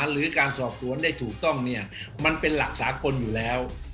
หรือการสอบสวนได้ถูกต้องเนี่ยมันเป็นหลักสากลอยู่แล้ว